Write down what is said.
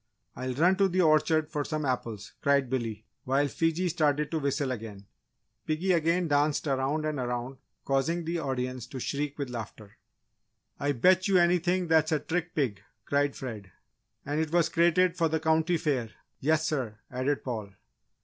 "I'll run to the orchard for some apples!" cried Billy, while Fiji started to whistle again. Piggy again danced around and around causing the audience to shriek with laughter. "I bet you anything that's a trick pig!" cried Fred. "And it was crated for the County Fair yes sir!" added Paul.